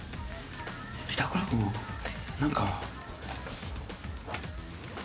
板倉君なんか。